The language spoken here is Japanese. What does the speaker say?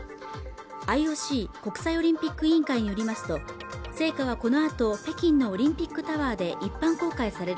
ＩＯＣ＝国際オリンピック委員会によりますと聖火はこのあと北京のオリンピックタワーで一般公開される